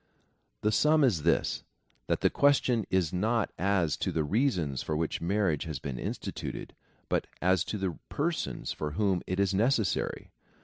The sum is this — that the question is not as to the reasons for which marriage has been instituted, but as to the persons for whom it is necessary.